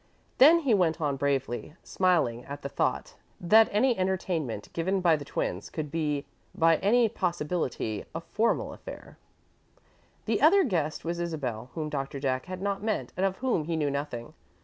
Then he went on bravely, smiling at the thought that any entertainment given by the twins could be by any possibility, a formal affair. The other guest was Isabel, whom Doctor Jack had not met and of whom he knew nothing.